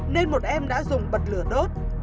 nên một em đã dùng bật lửa đốt